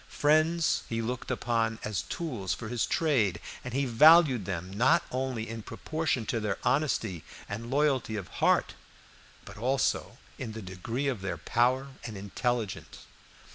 Friends he looked upon as tools for his trade, and he valued them not only in proportion to their honesty and loyalty of heart, but also in the degree of their power and intelligence.